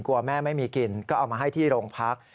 แม่ไม่มีกินก็เอามาให้ที่โรงพัก